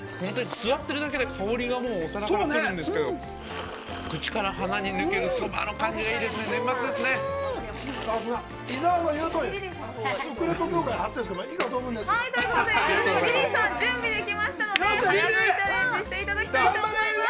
座ってるだけでそばの香りがしてくるんですけど口から鼻に抜けるそばの香りがいいです。